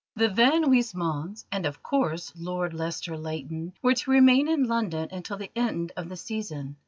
The Van Huysmans, and, of course, Lord Lester Leighton, were to remain in London until the end of the Season.